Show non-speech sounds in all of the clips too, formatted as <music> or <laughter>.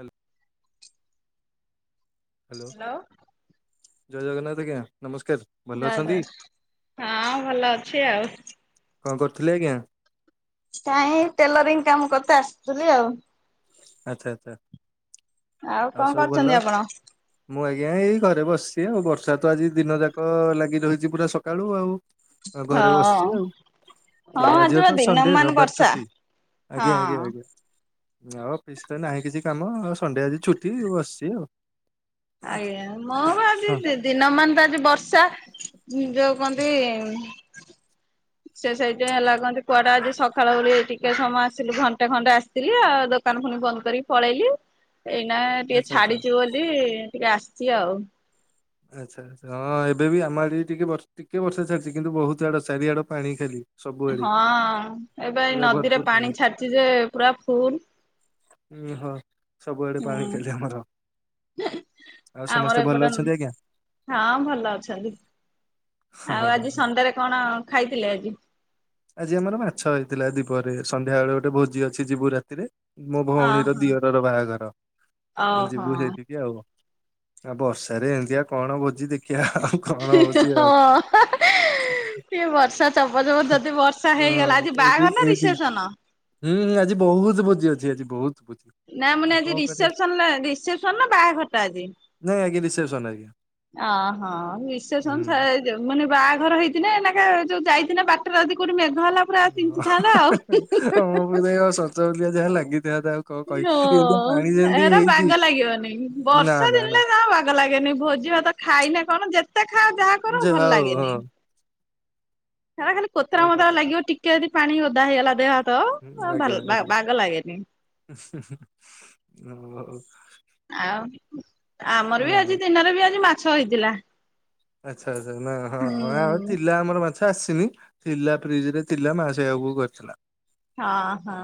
ହାଲ ହ୍ୟାଲୋ ଜୟ ଜଗନ୍ନାଥ ଆଜ୍ଞା ନମସ୍କାର। ଭଲ ଅଛନ୍ତି <unintelligible> ହଁ ଭଲ ଅଛି ଆଉ। କଣ କରୁଥିଲେ ଆଜ୍ଞା? କାଇଁ ଟେଲରିଂ କାମ କରିତେ ଆସୁଥିଲି ଆଉ। ଆଚ୍ଛା ଆଚ୍ଛା କଣ ଆଉ ସବୁ କରୁଛନ୍ତି ଭଲ? ଆପଣ? ମୁଁ ଆଜ୍ଞା ଏଇ ଘରେ ବସିଚି ଆଉ ବର୍ଷା ତ ଆଜି ଦିନ ଯାକ ଲାଗି ରହିଚି ପୁରା ସକାଳୁ ଆଉ। ଆଉ ଘରେ ହଁ ବସିଚି ଆଉ। ହଁ ଆଜି ବା ତ ଦିନ ସନଡେ ମାନ ରବିବାର ବର୍ଷା। ଛୁଟି ଆଜ୍ଞା ହଁ ଆଜ୍ଞା ଆଜ୍ଞା। ଆ ଅଫିସ ରେ ନାହିଁ କିଛି କାମ ସଣ୍ଡେ ଆଜି ଛୁଟି ବସିଚି ଆଉ। ଆଜ୍ଞା ମଁ ବା ହଁ ଆଜି ଦିନ ମାନ ତ ଆଜି ବର୍ଷା ଯୋଉ କୁହନ୍ତି ସେ ସେଇଠାଇ ଲାଗନ୍ତି କୁଆଟା ଆଜି ସକାଳୁଳେ ଟିକେ ସମୟ ଆସିଲୁ ଘଣ୍ଟ ଖଣ୍ଟେ ଆସି ଥିଲ ଆଉ ଦୋକାନ ଖଣି ବନ୍ଦ କରିକି ପଳେଇଲି। ଏଇନା ଟିକେ ଆଚ୍ଛା ଆଚ୍ଛା। ଛାଡିଛୁ ବୋଲି ଟିକେ ଆସିଛି ଆଉ। ଆଚ୍ଛା ଆଛା ହଁ ଏବେ ବି ଆମ ଆଡଡି ଟିକେ ଟିକେ ବର୍ଷା ଛଲିଛି କିନ୍ତୁ ବହୁତ ଆଡ ଚାରିଆଡ ପାଣି ଖାଲି। ସବୁଆଡେ ହଁ ଏବେ ଏ ପୁରା ନଦୀରେ ଭରପୁର ପାଣି ଛାଡିଛି ଯେ ପୁରା ଫୁଲ। ହୁଁ ହଁ। ସବୁଆଡେ ପାଣି ହୁଁ ଚାଲିଛି ଆମର ଆଉ ଆମର ସମସ୍ତେ ଏପଟ ଭଲ ଅଛନ୍ତି ଆଜ୍ଞା। ହଁ ଭଲ ଅଛନ୍ତି। ହଁ ଆଉ ହଁ ଆଜି ହଁ ସନ୍ଧ୍ୟାରେ କଣ ଖାଇଥିଲେ ଆଜି? ଆଜି ଆମର ମାଛ ହେଇଥିଲା। ଦୀପରେ ସନ୍ଧ୍ୟା ବେଳେ ଗୋଟେ ଭୋଜି ଅଛି ଯିବୁ ରାତିରେ। ମୋ ଭଉଣୀର ଓହୋ ଦିଅରର ବାହାଘର ଆ ଓହୋ ଯିବୁ ସେଇଠିକି ଆଉ। ଆ ବର୍ଷାରେ ଏମିତିଆ କଣ ବୋଜି ଦେ ହଁ ଏ ବର୍ଷା ଚବ ଚବ ଯଦି ବର୍ଷ ହା ହେଇଗଲା ହଁ ଆଜି ଏଇଠି ବାହାଘର ନା ଏଇଠି ରିସେପସନ? ହୁଁ ହଁ ଆଜି ବହୁତ ବୋଜିି ଅଛି ଆଜି ବହୁତ ବୋଜି। ନା ମାନେ ଆଜି ରିସେପସନ ରିସେପସନ ନା ବାହାଘରଟ ଆଜି? ନାଇଁଜ୍ଞା ରିପସନ ଆଜ୍ଞ। ଅହୋ ରିପସେନ ସା ମାନେ ବାହାଘର ହେଇଥିଲେ ନା ଯୋଉ ଯାଇଥିଲେ ବାଟରେଦି କୋଉଠି ମେଘ ହେଲା ପୁରା ଓ ତିନ୍ତିଥାନ୍ତା ଆଉ। ତମ ବି ତ ଶଚବଲିଆ ଯାହା ଲାଗିଥାିବ ତାକୁ। ହ ଏରା ବାଗ ଲାଗିବନି ବର୍ଷା ଦିନରେ ନା ବାଘ ଲାଗେନି ଭୋଜି ଭାତ ଖାଇନି କଣ ଯେତେ ଖାଏ ଯାହା କର ଯା ଭଲ ହଉ ହଁ। ହେ ଖାଲି କତରା କଣ ମଦ କରିବା ଆଉ ଲାଗିବ ଟିକେ ଯଦି ପାଣି ଓଦା ହେଇଗଲା ଦେହ ହୁଁ ଭଲ ଆଜ୍ଞା ବା ଆଜ୍ଞା ବାଗ ଲାଗେନି। ଓ ଆଉ ଆମର ବି ଆଜି ଦିନରେ ବି ଆଜି ମାଛ ହେଇଥିଲା। ଆଚ୍ଛା ଆଚ୍ଛା ନା ହଁ ହୁଁ ଥିଲି ପିଲା ଆମର ମାଛ ଆସିନି ଥିଲା ଫ୍ରିଜ ରେ ଥିଲା ମା ସେଇକୁ କରିଥିଲା। ହଁ ହଁ।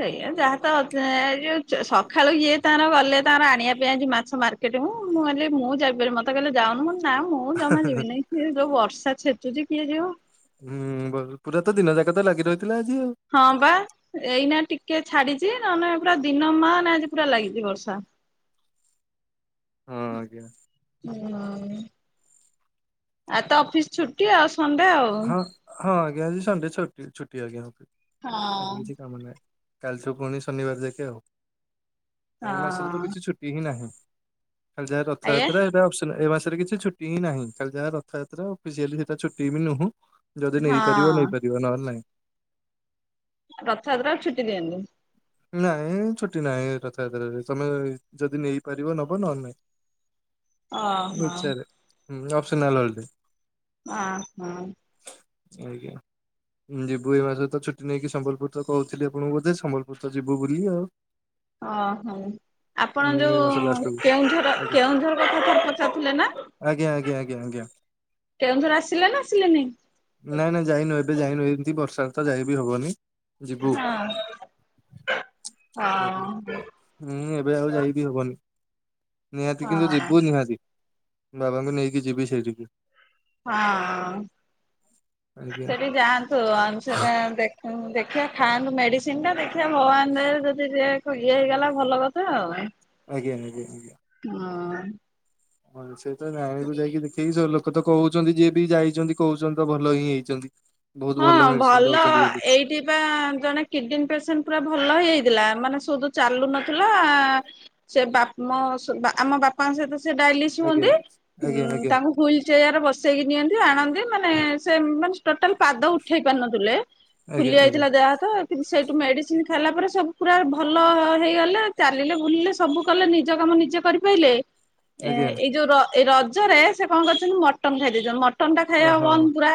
ସେଇଆ ଯାହା ତ ଅ ଯୋଉ ସକାଳୁ ଯିଏ ତାର ଗଲେ ତାର ଆଣିବା ପାଇଁ ଆ ମାଛ ମାର ମୁଁ କିଲ ମୁଁ ଯପାରି ମତେ କାଲି ଯାଉନ ମ ନା ମୁଁ ଜମା ଯିବିିନି ସେଏ ଯୋଉ ବର୍ଷା ଛେଚୁଛି କିଏ ଯିବ। ହୁଁ ବ ପୁରା ତ ଦିନ ଯାକା ତ ଲାଗି ରହିଥିଲା ଆଜି ଆଉ। ହଁ ବା। ଏଇନା ଟିକେ ଛାଡିଛି ନ ନେ ପୁରା ଦିନ ମାନ ଆଜି ପୁରା ଲାଗିଛି ବର୍ଷା। ହଁ ଆଜ୍ଞା। ହ ଆଉ ତ ଅଫିସ ଛୁଟି ଆଉ ସଣ୍ଡେ ଆଉ। ହଁ ହଁ ଆଜ୍ଞା ଆଜି ସଂଣ୍ଡେ ଛୁ ଛୁଟି ଆଜ୍ଞା ହଁ। ଆଜି କିଛି କାମ ନାହିଁ। କାଲିଛୁ ପୁଣି ଶନିବାର ଯାକେ ଆଉ ହଁ ଏଇ ମାସରେ ତ କିଛି ଛୁଟି ହିଁ ନାହିଁ। ଖାଲି ଯାହା ଆଜ୍ଞା। ରଥଯାତ୍ରା ଏବେ ଏ ମାସରେ କିଛିଛୁଟି ହିଁ ନାହିଁ ଖାଲି ଯାହା ରଥଯାତ୍ରା ଅଫିସିଆଲି ସେଟା ଛୁଟି ବି ନୁହଁ। ଯଦି ନେଇପାରିବ ହଁ। ନେଇପାରିବ ନହେଲେ ନାଇଁ। ରଥଯାତ୍ରା ଛୁଟି ଦିଏନି? ନଇଁ ଛୁଟି ନାହିଁ ରଥଯାତ୍ରାରେ ତମେ ଯଦି ନେଇପାରିବ ନବ ନହେଲେ ନାହିଁ। ଓହୋ। ଏଚ୍ଆର୍ ହଁ ଅପସନାଲ୍ ଅଁ ହଁ। ଆଜ୍ଞା। ହୁଁ ଯିବୁ ଏଇ ମାସରେ ତ ଛୁଟି ନେଇକି ସମ୍ବଲପୁର ତ କହୁଥିଲି ଆପଣଙ୍କୁ ବୋଧେ ସମ୍ବଲପୁର ତ ଯିବୁ ବୋଲି ଆଉ। ଅଁ ହଁ ଉଁ। ଆପଣ ହୁଁ ଏଇ ଯୋଉ ମାସ ଲାଷ୍ଟକୁ କେଉଁଝର କେଉଁଝର କଥା ଥରେ ପଚାରୁିଥିଲେ ନା। ଆଜ୍ଞ ଆଜ୍ଞ ଆଜ୍ଞା କେଉଁଝର୍ ଆସିଲେ ନା ଆସିଲେନି? ନାଁ ନାଁ ଯାଇନୁ ଏବେ ଯାଇନୁ ଏମିତି ବର୍ଷାରେ ତ ଯାଇବି ହବନି ଯିବୁ। ଆଳୁ ଭତ୍ତା। ଆଜ୍ଞା ହୁଁ ଏବେ ଆଉ ଯାଇ ବିି ହବନି। ନିହାତି ହଁ କିନ୍ତୁ ଯିବୁ ନିହାତି ବାବାଙ୍କୁ ନେଇକି ଯିବି ସେଇଠିକି। ହଁ ଆଜ୍ଞା ସେଠିକି ଯାଆନ୍ତୁ ଅନସୂପା ଦେଖ ହଁ ଦେଖିବା ଖାଆନ୍ତୁ ମେଡିସିନ ଟା ଦେଖିବା ଭଗବାନ ଦେ ଯଦି ଯ ଇଏ ହେଇଗଲା ଭଲ କଥା ଆଉ। ଆଜ୍ଞା ଆଜ୍ଞା ଆଜଞା <inaudible> ହଁ। ହଁ ସେ ତ ଜାଣିବୁ ଯାଇକି ଦେଖିକି ଲୋକ ତ କହୁଛନ୍ତି। ଯିଏ ବି ଯାଇଛନ୍ତି କହୁଛନ୍ତି ତ ଭଲ ହିଁ ହେଇଛନ୍ତି। ବହୁତ ଭଲ ମେଡିସିନ ଦଉଛନ୍ତି ବୋଲି। ପା ଜଣେ କିଡନୀ ପେସେଣ୍ଟ ପୁରା ଭଲ ହେଇଯାଇଥିଲା ମାନେ ସବୁ ଚାଲୁ ନଥିଲା ସେ ବାପ୍ ମ ଆମ ବାପାଙ୍କ ସହିତ ସେ ଡାଲିସ୍ ଆଜ୍ଞା। ହୁଅନ୍ତି। ହୁଁ ଆଜ୍ଞା ଆଜ୍ଞା ତାଙ୍କୁ ହୁଇଲ୍ ଚେୟାରେ ବସେଇକି ନିଅନ୍ତି ଆଣନ୍ତି ମାନେ ସେ ମାନେ ଟୋଟାଲ୍। ପାଦ ଉଠେଇ ପାର ନଥିଲେ ଫୁଲି ଆଜ୍ଞା ଆଜ୍ଞା ଯାଇଥିଲା ଦେହ ତ କିନ୍ତୁ ସେଇଠୁ ମେଡ଼ିସିନ ଖାଇଲା ପରେ ସବୁ ପୁରା ଭଲ ହେଇଗଲେ ଚାଲିଲେ ବୁଲିଲେ ସବୁ କଲେ ନିଜ କାମ ନିଜେ କରିପାଇଲେ। ଏ ଆଜ୍ଞା ଏଇ ଯୋଉ ଏଇ ରଜରେ ସେ କଣ କରିଛନ୍ତି ମଟନ ଖାଇ ଦେଇେଛନ୍ତି ମଟନ୍ ଟା ଖାଇବା ଓହୋ ବନ୍ଦ ପୁରା।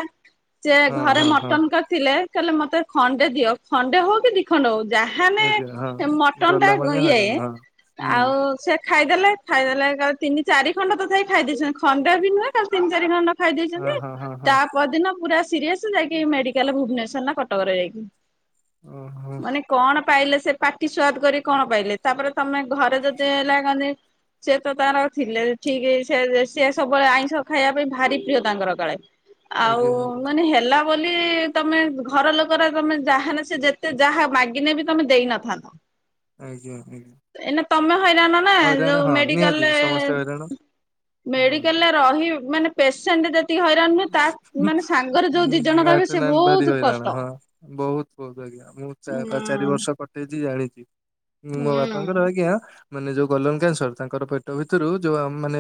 ଯେ ହଁ ଘରେ ହଁ ହଁ। ମଟନ୍ କରିଥିଲେ କହିଲେ ମତେ ଖଣ୍ଡେ ଦିଅ ଖଣ୍ଡେ ହଉ କି ଦି ଖଣ୍ଡ ଯାହାଲେ ଆଜ୍ଞା ହଁ ମଟନ୍ ଟା ଗଲା ମାନେ ଇଏ ହଇରାଣ ହଁ ଆଉ ହୁଁ ସେ ଖାଇଦେଲେ ଖାଇଦଲେ କାଲି ତିନି ଚାରି ଖଣ୍ଡ ତ ଯାଇ ଖାଇଦେଇଛନ୍ତି ଖଣ୍ଡେ ବି ନୁହେଁ କାଲି ତିନି ଚାରି ଖଣ୍ଡ। ଖାଇ ଦେଇଛନ୍ତି ହଁ ହଁ ହଁ ହଁ ତା ପରଦିନ ପୁରା ସିରିଅସ ଯାଇକି ମେଡିକାଲ ଭୁବନେଶ୍ୱର ନା କଟକରେ ଯାଇକି। ଓହୋ। ମାନେ କଣ ପାଇଲେ ସେ ପାଟି ସୁଆଦ କରି କଣ ପାଇଲେ ତାପରେ ତମେ ଘରେ ଯଦି ହେଲା କ ସେ ତ ତାର ଥିଲେ ଠିକ୍ ସେ ସେ ସବୁବେଳେ ଆଇଁଷ ଖାଇବା ପାଇଁ ଭାରି ପ୍ରିୟ ତାଙ୍କର କାଳେ। ଆଉ ଆଜ୍ଞା ଆଜ୍ଞା ମାନେ ହେଲା ବୋଲି ତମେ ଘର ଲୋକର ତମେ ଯାହାନେ, ସେ ଯେତେ ଯାହା ମାଗିନେ ବି ତମେ ଦେଇନଥାନ୍ତା ଆଜ୍ଞା ଆଜ୍ଞା। ଏଇନା ତମେ ହଇରାଣ ନା ଯୋଉ ହଇରାଣ ହଁ ନିହାତି ମେଡାଲରେ ସମସ୍ତେ ହଇରାଣ ହୁଁ। ମେଡିକାଲ୍ ରେ ରହି ମାନେ ପେସେଣ୍ଟ ଯେତିକି ହଇରାଣ ନୁହ ତା ମାନେ ସାଙ୍ଗରେ ଯୋଉ ଦି ଜଣ ରହିବେ ସେ ଭାରି ବହୁତ ଭାରିହଇରାଣ କଷ୍ଟ। ହଁ ବହୁତ ବହୁତ ଆଜ୍ଞା ମୁଁ ଉଁ ପା ଚାରି ବର୍ଷ ଜାଣିଛି ମୋ ହୁଁ ବାପାଙ୍କର ଆଜ୍ଞା ମାନେ ଯୋଉ ଗଲମ କ୍ୟାନସର ତାଙ୍କର ପେ ଟଭିତରୁ ଯୋଉ ମାନେ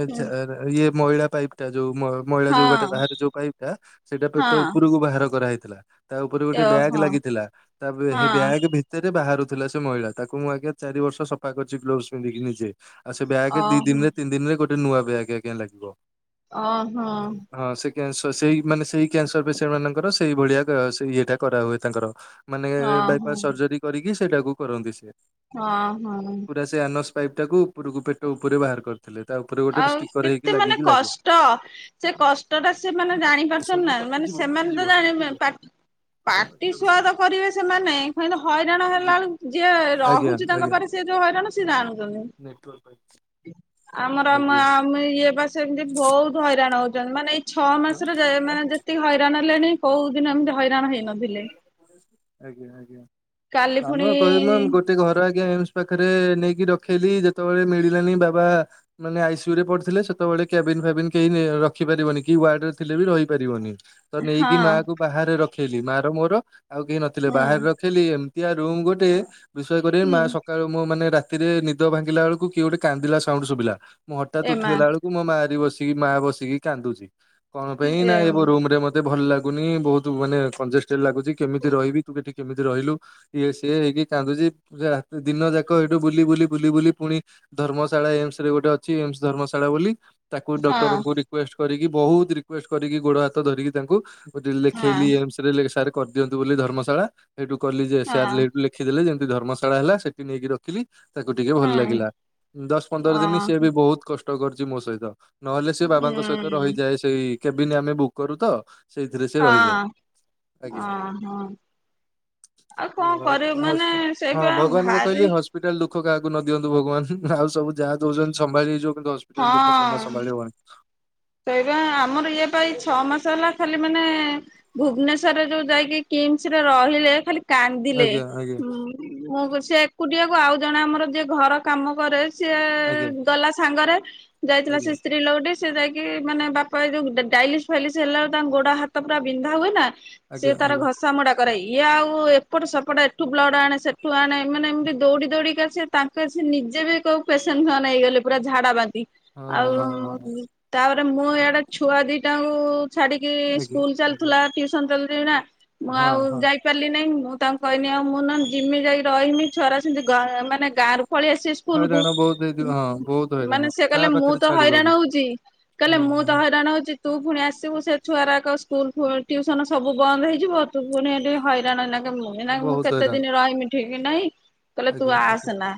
ଇଏ ମଇଳା ପାଇପ୍ ଟା ଯୋଉ ମ ମଇଳା ଯୋଉ ବାଟେ ହଁ ବାହା ଯୋଉ ପାଇପ୍ ଟା ସେଇଟା ହଁ। ପେଟ ଉପରକୁ ବାହାର କରାହେଇଥିଲା। ତା ଉପରେ ଗୋଟେ ବ୍ୟାଗ୍ ଓହୋ ଲାଗିଥିଲା ତା ପରେ ସେ ହଁ ବ୍ୟାଗ୍ ଭି ସେତରେ ବାହାରୁଥିଲା ସେ ମଇଳା ତାକୁ ମୁଁ ଆଜ୍ଞା ଚାରି ବର୍ଷ ସଫା କରିଛି ଗ୍ଲୋଭ୍ସ ପିନ୍ଧିକି ନିଜେ। ଆ ସେ ବ୍ୟାଗ ଦି ଓହୋ ଦିନ ରେ ତିନି ଦିନ ରେ ଗୋଟେ ନୂଆ ବ୍ୟାଗ ଆଜ୍ଞା ଲାଗିବ। ଅଁ ହଁ। ହଁ ସେ କ୍ୟାନସ ସେଇ ମାନେ ସେଇ କ୍ୟାନସର ପେସେଣ୍ଟ ମାନଙ୍କର ସେଇ ଭଳିଆ ସେ ଇଏଟା କରା ହୁଏ ତାଙ୍କର। ମାନେ ଓହୋ ବାଇପାସ୍ ସର୍ଜରୀ କରିକି ସେଇଟାକୁ କରନ୍ତି ସିଏ। ହଁ ହଁ। ପୁରା ସେ ଆନସ୍ ପାଇପ୍ଟାକୁ ପୂରକୁ ପେଟ ଉପରେ ବାହାର କରି ଥିଲେ ତା ଉପରେ। ଗୋଟେ ଆଉ ଷ୍ଟିକର ହେଇକି କେତେ ମାନେ ଲାଗିକି ଲାଗେ। କଷ୍ଟ ସେ କଷ ଷ୍ଟ ଟା ସେମାନେ ଜାଣିପାରୁଛନ୍ତି ଶୂନ ନା ମାନେ କଟିଯିବ ସେମାନେ ତ କଟିଯିବ ଟିକେ ଜାଣି ରୁହ ପା ଆଉ ପାଟି ପାଞ୍ଚ ମିନିଟ୍ ଅଛି। ସୁଆଦ କରିବେ ସେମାନେ ହେଇନେ ହଇରାଣ ହେଲା ବେଳକୁ ଯିଏ ଆଜ୍ଞା ରହୁଛି ତାଙ୍କ ପରେ। ସେ ଯୋଉ ହଇରାଣ ସେ ଜାଣୁଛନ୍ତି। ନେଟୱର୍କ ପାଇଁ। ଆମର ମା ଆଜ୍ଞା। ଇଏ ବା ସେମତି ବହୁତ୍ ହଇରାଣ ହଉଚନ୍ତି ମାନେ। ଛ ମାସରେ ଯେ ଏ ମାନେ ଯେତିକି ହଇରାଣ ହେଲେଣି କୋଉ ଦିନ ଏମତି ହଇରାଣ ହେଇନଥିଲେ। ଆଜ୍ଞା ଆଜ୍ଞା କାଲି ନା ନୁ ପୁଣି କହିଲ ନ୍ ଗୋଟ୍ ଗୋଟେ ଘର ଆଜ୍ଞା ଏମ୍ ସ୍ ପାଖରେ ନେଇକି ରଖେଇଲି ଯେତେବେଳେ ମିଳିଲାନି ବାବା। ମାନେ ଆଇସ୍ୟୁ ରେ ପଡିଥିଲେ ସେତେବେଳେ କ୍ୟାବିନ ଫ୍ୟାବିନ କେହି ନେ ରଖିପାରିବନି କି ୱାର୍ଡ ରେ ଥିଲେ ବି ରହିପାରିବନି। ତ ହଁ ନେଇକି ମା କୁ ବାହାରେ ରଖେଇଲି ମା ର ମୋର ଆଉ କେହି ନଥିଲେ ହୁଁ ବାହାରେ ର ଖିଲି ଏମତିଆ ରୁମ୍ ଗୋଟେ ବିଶ୍ବାସ କରିବେନି ହୁଁ ମାଆ ସ ସକାଳୁ ମୁଁ ମାନେ ରାତିରେ ନିଦ ଭାଙ୍ଗିଲା ବେଳକୁ କିଏ ଗୋଟେ କାନ୍ଦିଲା ସାଉଣ୍ଡ ଶୁଭିଲା ମୁଁ ହଠାତ୍ ଏମା ଉଠିଗଲା ବେଳକୁ। ମୋ ମାଆ ରି ବସିକି ମାଆ ବସିକି କାନ୍ଦୁଚି କଣ ପାଇଁ ନା ଏ ବ ମୋ ହଁ-ହଁ-ହଁ-ହଁ-ହଁ-ହଁ-ହଁ। ରୁମ୍ ରେ ମତେ ମତେ ଭଲ ଲାଗୁନି ବହୁତ ମାନେ କଞ୍ଜେଷ୍ଟେଡ ଲାଗୁଚି କେମିତି ରହିବି ତୁ ଏଠି କେମିତି ରହିଲୁ? ଇଏ ସିଏ ହେଇକି କାନ୍ଦୁଚି ଯା ଦିନ ଯାକ ଏଇଠୁ ବୁଲି ବୁଲି ବୁଲି ବୁଲି ପୁଣି। ଧର୍ମଶାଳା ଏମ୍ ସ ରେ ଗୋଟେ ଅଛି ଏମ୍ ସ ଧର୍ମଶାଳା ବୋଲି। ତାକୁ ଡକ୍ଟରଙ୍କୁ ରିକ୍ବେଷ୍ଟ କରିକି ବହୁତ୍ ରିକ୍ବେଷ୍ଟ କରିକି ଗୋଡ ହାତ ଧରିକି ତାଙ୍କୁ। ଲେଖେଇଲି ଏମ୍ ସ ରେ ସାର୍ କରଦିଅନ୍ତୁ ବୋଲି ଧର୍ମଶାଳା ସେଇଠୁ କଲି ଯେ ଏସ ଆର ଲେ ଲେ ଲେଖିଦେଲେ ଯେମିତି ଧର୍ମଶାଳା ହେଲା ସେଠି ନେଇକି ରଖିଲି। ତାକୁ ଟିକେ ଭଲ ଲାଗିଲା ଦଶ ପନ୍ଦର ଦିନ୍ ସିଏ ବି ବହୁତ୍ କଷ୍ଟ କରିଚି ମୋ ସହିତ। ନହେଲେ ସେ ବାବାଙ୍କ ସହିତ ରହିଯାଏ ସେଇ କେବିନ୍ ଆମେ ବୁକ୍ କରୁ ତ ସେଇଥିରେ ସେ ରହିଯାଏ। କଣ ଆଜ୍ଞା ଆଉ କରିବୁ ମୁଁ ହସ୍ ମାନେ ହଁ ସେଇପା ଭଗବାନଙ୍କୁ ଭାରି କହିଲି ହସ୍ ହସ୍ପିଟାଲ୍ ଦୁଃଖ କାହାକୁ ନ ଦିଅନ୍ତୁ ଭଗବାନ ଆଉ ସବୁ ଯାହା ଦେଉଛନ୍ତି ସମ୍ଭାଳିି ହେଇଯିବ କିନ୍ତୁ ହସ୍ପିଟାଲ୍ ଦୁଃଖ ଜମା ସମ୍ଭାଳି ହବନି। ସେଇରା ଆମର ଇଏ ପା ଏଇ ଛଅ ମାସ ହେଲା ଖାଲି ମାନେ। ଭୁବନେଶ୍ଵରରେ ଯୋଉ ଯାଇକି କିମ୍ ସ୍ ରେ ରହିଲେ ଖାଲି କାନ୍ଦିଲେ ଆଜ୍ଞା ଆଜ୍ଞା ହୁଁ। ମୁଁ କୁ ସେ ଏକୁଟିଆକୁ ଆଉ ଜଣେ ଆମର ଯିଏ ଘର କାମ କରେ ସିଏ। ଆଜ୍ଞା। ଗଲା ସାଙ୍ଗରେ ଯାଇଥିଲା ସେ ଆଜ୍ଞା ସ୍ତ୍ରୀ ଲୋକଟି ସେ ଯାଇକି। କି ମାନେ ବାପା ଏ ଯୋଉ ଡାଇଲିସ୍ ଫାଇଲିସ୍ ହେଲା ବେଳକୁ ତାଙ୍କ ଗୋଡ ହାତ ପୁରା ବିନ୍ଧା ହୁଏ ନା। ସିଏ ଆଜ୍ଞା ତାର ଆଜ୍ଞା ଘସ୍ ଘସା ମୋଡା କରେ ଇଏ ଆଉ ଏପଟୁ ସେପଟ ଏଠୁ ବ୍ଲଡ଼ ଆଣେ ସେଠୁ ଆଣେ ମାନେ ଏମିତି ଦୌଡ଼ି ଦୌଡ଼ିକା ସେ ତାଙ୍କର ସେ ନିଜେ ବି କୋଉ ପେସେଣ୍ଟ ସମାନ ହେଇଗଲେ ପୁରା ଝାଡା ବାନ୍ତି ହଁ ହଁ ହଁ ଆଉ। ତାପରେ ମୁଁ ଇଆଡେ ଛୁଆ ଦିଟା ଙ୍କୁ ଛାଡିକି ଆଜ୍ଞା ସ୍କୁଲ ଆଜ୍ଞା ଚାଲୁଥିଲା। ଟ୍ୟୁସନ ଚାଲଛି ନା ମୁଁ ହଁ ଆଉ ହଁ ଯାଇ ପାରିଲି ନେଇ ମୁଁ ତାଙ୍କୁ କହନି ଆଉ ମୁଁ ନହେନେ ଜିମି ଯାଇଁ ରହିମି ଛୁଆ ଗୁରା ସେମିତି ମାନେ ଗା ରୁ ମାନେ ଗାଁରୁ ପଳେଇ ଆସିବେ। ସ୍କୁଲ କୁ ହଇରାଣ ବହୁତ ହେଇଥିବ ହଁ ବହୁତ ହଇରାଣ ମାନେ ସିଏ କାହା କହିଲେ ମୁଁ ପାଖରେ ତ ଛାଡିବ ବି ହଇରାଣ ହଉଚି। କହିଲେ ହୁଁ ମୁଁ ତ ହୁଁ ହଇରାଣ ହଉଚି ତୁ ପୁଣି ଆସିବୁ ସେ ଛୁଆରାକ ସ୍କୁଲ୍ ଫୁ ଟ୍ୟୁସନ୍ ସବୁ ବନ୍ଦ ହେଇଯିବ। ତୁ ପୁଣି ଏଠି ହଇରାଣ ଏଇନେ ହେମୁ ଏଇନା କେ ମୁଁ ବହୁତ କେତେ ହଇରାଣ ଦିନ ରହମି ଠିକ୍ ନାହିଁ କହିଲେ ତୁ ଆଜ୍ଞା ଆଜ୍ଞା ଆସେନା।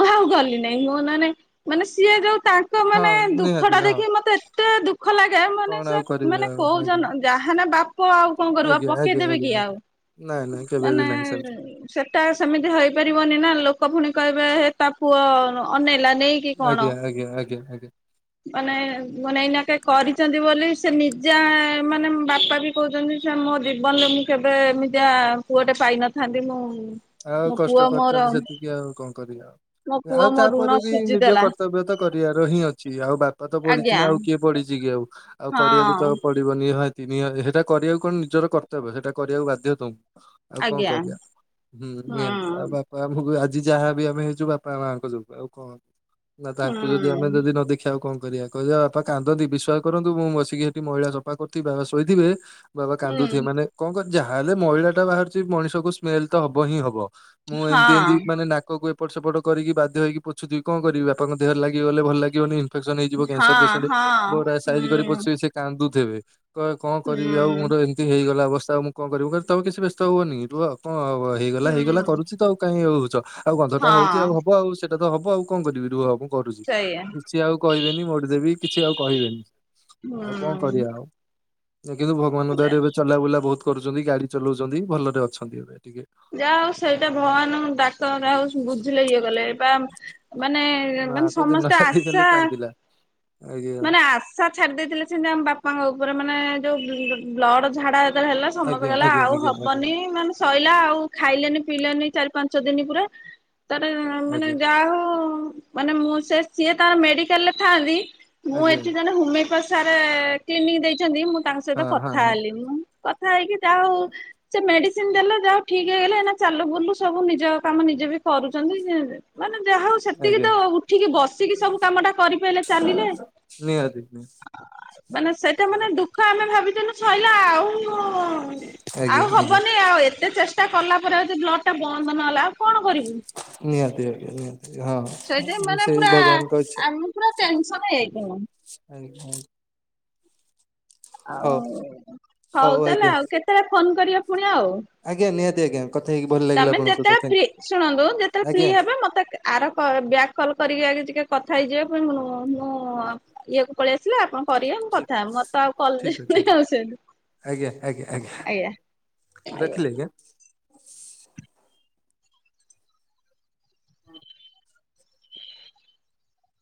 ମୁଁ ଆଉ ଗଲି ନେଇଁ ମୁଁ ନହନେ ମାନେ ସିଏ ଯୋଉ ତାଙ୍କ ହଁ ମାନେ ଦୁଃଖ ନିହାତି ଟା ହଁ ଦେଖି ମତେ‌ ଏ ଏତେ ଦୁଃଖ ଲାଗେ ମାନେ କଣ ସେ ଆଉ କରିବେ ମାନେ ଆଉ ଆଜ୍ଞା କହୁଛନ ଯାହା ହେନେ ବାପ ଆଉ କଁ କରିବୁ ଆଉ ଆଜ୍ଞା ଆଜ୍ଞା ପକେଇଦେବେ ଆଜ୍ଞା କି ଆଉ ଆଜ୍ଞା ନାଇଁ ନାଇଁ ଆ କେବେ ବି ନାଁ ନାହିଁ ସେମିତି ସେମ୍ ଟା ସେମିତି ହେଇପାରିବନି ନା ଲୋକ ପୁଣି କହିବେ ହେ ତା ପୁଅ ଅନେଇଲା ନେଇ ଆଜ୍ଞା ଆଜ୍ଞା ଆଜ୍ଞା। ମାନେ ମୁଁ ଏଇନା କେ କରିଚନ୍ତି ବୋଲି ସେ ନିଜେ ମାନେ ବାପା ବି କହୁଚନ୍ତି ସେ ମୋ ଜୀବନରେ ମୁଁ କେବେ ଏମିତିଆ ପୁଅଟେ ପାଇନଥାନ୍ତି ମୁଁ ଆଉ ମୋ କଷ୍ଟ ପୁଅ ମୋର କରିଚନ୍ତି ସେତିକି ଆଉ କଣ କରିବା ମୋ ଆଉ ପୁଅ ଆଉ ମୋ ଋଣ ତାପରେ ବି ନିଜ ସୁଝିଦେଲା କର୍ତ୍ତବ୍ୟ ତ କରିବାର ହିଁ ଅଛି। ଆଉ ବାପ ତ ପଡ଼ିଚି ଆଜ୍ଞା ନା ଆଉ କିଏ ପଡ଼ିଚି କି ଆଉ ଆଉ କରିବାକୁ ତ ହଁ କରିବ ନିହାତି ନିହାତି ସେଇଟା କରିବାକୁ କଣ ନିଜର କର୍ତ୍ତବ୍ୟ ସେଇଟା କରିବାକୁ ବାଧ୍ୟ ତମକୁ ଆଉ କଣ ଆଜ୍ଞା କରିବା? ହୁଁ ନିହାତି ଆଉ ବାପା ଆମକୁ ଆଜି ଯାହାବି ଆମେ ହେଇଚୁ ବାପା ମାଆଙ୍କ ଯୋଗୁ ଆଉ କଣ? ଆଉ ହୁଁ ତାଙ୍କୁ ଯଦି ଆମେ ଯଦି ନ ଦେଖି ଦେଖିଆ ଆଉ କଁ କରିବା କହିବା ବାପା କାନ୍ଦନ୍ତି। ବିଶ୍ବାସ କରନ୍ତୁ ମୁଁ ବସିକି ସେଠି ମଇଳା ସଫା କରୁଥିବି ବାପା ଶୋଇଥିବେ ବାବା ହୁଁ କାନ୍ଦୁଥିବେ ମାନେ କଣ କର ଯାହାହେଲେ ମଇଳା ଟା ବାହାରୁଛି ମଣିଷ କ ସ୍ମେଲ ତ ହବ ହିଁ ହବ। ମୁଁ ହଁ ଏମିତି ଏମିତି ମାନେ ନାକକୁ ଏପଟ ସେପଟ କରି ବାଧ୍ୟ ହୋଇକି ପୋଛଥିବି କଣ କରିବି ବାପା ଦେହ ଲାଗି ଗଲେ ଭଲ ଲାଗିବନି ଇନ୍ଫେକସନ ହେଇଯିବ କ୍ୟାନ୍ସର ପେସେଣ୍ଟ ହଁ ମୋର ହଁ ସାଇଜ କରି ହୁଁ ପୋଛି କାନ୍ଦୁଥିବେ ଏବେ କହିବେ କଣ କରିବି ଆଉ ହୁଁ ମୋର ଏମିତି ହେଇଗଲା ଅବସ୍ଥା ଆଉଁ ମୁଁ କଣ କରିବି ତ କିଛି ବ୍ୟସ୍ତ ହୁଅନି ରୁହ କଣ ହେଇଗଲା ହେଇଗଲା ହୁଁ କରୁଛି ତ ଆଉ କାହିଁ ହଉଛ ଆଉ ଗନ୍ଧଟା ହଉଛି ହଁ ଆଉ ହବ ଆଉ ସେଇଟା ତ ହବ ଆଉ କଣ କରିବି ରୁହ କରୁଛି ସେଇଆ କିଛି ଆଉ କହିବେନି ମୋଡି ଦେବି କିଛି ଆଉ କହିବେନି। ଆଉ କଣ କରିବା ଆଉ। ହୁ। କିନ୍ତୁ ଭଗବାନଙ୍କ ଦୟାରେ ଏବେ ଚଲାବୁଲା ବହୁତ କରୁଛନ୍ତି ଗାଡି ଚଲଉଛନ୍ତି ଭଲରେ ଅଛନ୍ତି ଏବେ ଟିକେ। ଯାହା ହଉ ସେଇଟା ଭଗବାନଙ୍କୁ ଡାକ ଯ ହଉ ବୁଝିଲେ ଇଏ କଲେ ବା ମାନେ ମା ମାନେ ତ ଦିନ ସମସ୍ତେ ରାତି ଆଶା ଖାଲି କାନ୍ଦିଲା ଆଜ୍ଞା ମାନେ ଆସ ଶା ଛାଡି ଦେଇଥିଲେ ସେଇଟା ଆମ ବାପାଙ୍କ ଉପରେ ମାନେ ଯୋଉ ବ୍ଲଡ ଝାଡା ହେଲା ସମସ୍ତେ ଆଜ୍ଞା କହିଲେ ଗଲା ଆଜ୍ଞା ଆଉ ଆଜ୍ଞା ଆଜ୍ଞା। ହବନି ମାନେ ସଇଲା ଆଉ ଖାଇଲେନି ପିଇଲେନି ଚାରି ପାଞ୍ଚ ଦିନ ପୁରା ତାର ମାନେ ଆଜ୍ଞା ଯାହା ହଉ, ମାନେ ମୁଁ ସେ ସିଏ ତାର ମେଡିକାଲ ରେ ଥାନ୍ତି ମୁଁ ଆଜ୍ଞା ଏଠି ଜଣେ ହୋମିଓପା ସାର୍ କ୍ଲିନିକ ଦେଇଛନ୍ତି ମୁଁ ତାଙ୍କ ସହିତ ହଁ ହଁ କଥା ହଁ ହେଲି ମୁଁ କଥା ହେଇକି ଯାହା ହଉ ସେ ମେଡିସିନ ଦେଲେ ଯାହା ଠିକ୍ ହେଇଗଲେ ଏଇନା ଚାଲୁ ବୁଲୁ ସବୁ ନିଜ କାମ ନିଜେ ବି କରୁଛନ୍ତି ମାନେ ଯାହା ହଉ ସେତିକି ଆଜ୍ଞା ତ ଉଠିକି ବସ ଉଠିକି ସବୁ କାମଟା କରିପାରଲେ ଚାଲିଲେ ନିହାତି ମାନେ ସେଇଟା ମାନେ ନିହାତି। ଦୁଃ ଖ ଆମେ ଭାବିଥିଲୁ ଶଇଲା ଆଉ ଆଉ ଆଜ୍ଞା ଆଜ୍ଞା ହବନି ଆଉ ଏତେ ଚେଷ୍ଟା ଷ୍ଟା କଲା ପରେ ଆଉ ବ୍ଲଡ଼ ଟା ବନ୍ଦ ନହେଲା ଆଉ କଣ କରିବୁ? ନିହାତି ଆଜ୍ଞା ନିହାତି। ସେଇଥିପାଇଁ ହଁ ମାନେ ସେଇ ପୁରା ଭଗବାନଙ୍କ ଇଛା ଆମେ ପୁରା ଟେନସନ ହେଇଯାଇଥିଲୁ ଆଜ୍ଞା। ଆଉ ହଉ ହଉ ତାହେଲେ ଆଉ କେତେବେଳେ ଫୋନ କରିବେ ପୁଣି ଆଉ, ଆଜ୍ଞା ନିହାତି ଆଜ୍ଞା। କଥା ହେଇକି ଭ୍ ତମେ ଯେତେବେଳେ ଫ୍ରି ଶୁଣନ୍ତୁ ଯେତେବେଳେ ଫ୍ରି ଆଜ୍ଞା। ହେବେ ମତେ ଆର କ ବ୍ୟାକ୍ କଲ୍ କରିକି ଆଗେ ଟିକେ କଥା ହେଇଯିବା ପାଇଁ ମୁଁ ମୁଁ ଇଏକୁ ପଳେଇ ଆସିଲା ଆପଣ କରିବେ ମୁଁ ଠିକ କଥା ମତେ ଆଉ କଲେଜ ଠିକ ଅଛି ଯିବିନି ଆଜ୍ଞା। ରଖିଲେ ଆଜ୍ଞା।